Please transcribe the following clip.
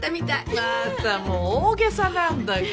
またもう大げさなんだから。